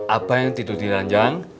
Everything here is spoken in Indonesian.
apa yang tidur di ranjang